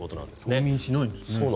冬眠しないんですね。